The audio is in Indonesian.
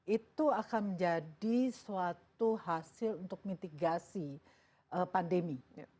itu akan menjadi suatu hasil untuk mitigasi pandemi